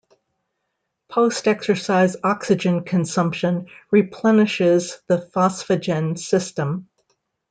Post-exercise oxygen consumption replenishes the phosphagen system.